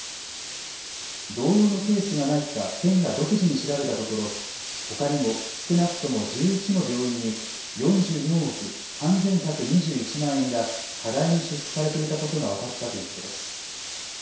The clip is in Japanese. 同様のケースがないか県が独自に調べたところ、ほかにも少なくとも１１の病院に４４億３１２１万円が過大に支出されていたことが分かったということです。